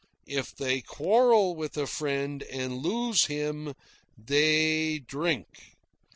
If they quarrel with a friend and lose him, they drink.